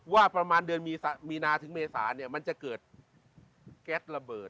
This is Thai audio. ว่าประมาณเดือนมีนาถึงเมษาเนี่ยมันจะเกิดแก๊สระเบิด